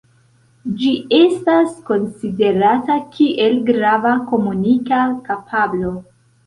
Ĝi estas konsiderata kiel grava komunika kapablo.